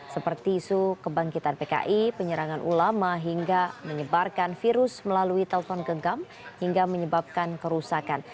seperti isu kebangkitan pki penyerangan ulama hingga menyebarkan virus melalui telepon genggam hingga menyebabkan kerusakan